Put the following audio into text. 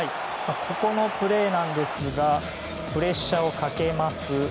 ここのプレーですがプレッシャーをかけます。